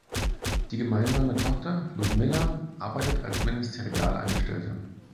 Die gemeinsame Tochter Ljudmila arbeitete als Ministerialangestellte.